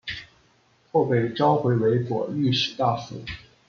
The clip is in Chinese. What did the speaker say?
后被召回为左御史大夫。